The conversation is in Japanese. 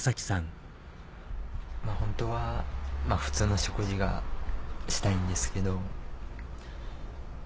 ホントは普通の食事がしたいんですけど。